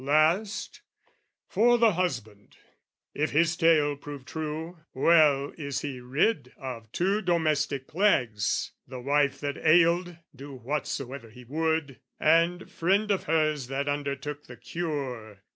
"Last for the husband: if his tale prove true, "Well is he rid of two domestic plagues "The wife that ailed, do whatsoever he would, "And friend of hers that undertook the cure.